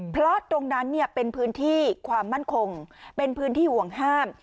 เพราะตรงนั้นเป็นพื้นที่ความมั่นคงเป็นพื้นที่ห่วงห้าม